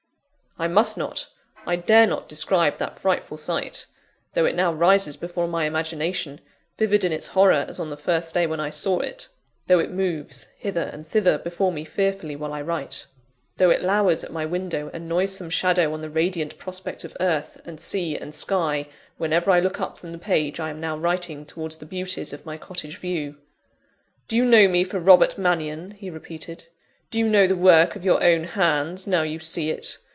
I must not, I dare not, describe that frightful sight; though it now rises before my imagination, vivid in its horror as on the first day when I saw it though it moves hither and thither before me fearfully, while I write; though it lowers at my window, a noisome shadow on the radiant prospect of earth, and sea, and sky, whenever I look up from the page I am now writing towards the beauties of my cottage view. "Do you know me for Robert Mannion?" he repeated. "Do you know the work of your own hands, now you see it?